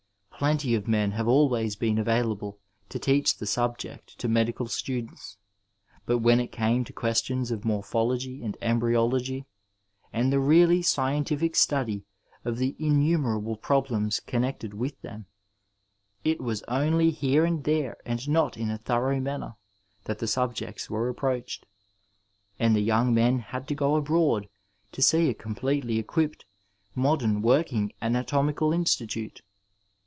Plenty of men have always been available to teach the subject to medical students, but when it came to questions of morphology and embryology and the really scientific study of the in numerable problems connected with them, it was only 408 Digitized by VjOOQiC THE FIXED PERIOD here and there and not in a thoxongli manner t&at the sub jects were approached. And the Totmg men had to go abroad to see a completely equipped, modem working ana tomical institate.